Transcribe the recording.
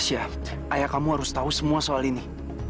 chef ayah kamu harus tahu semua soal ini